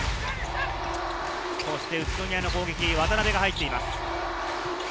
宇都宮の攻撃、渡邉が入っています。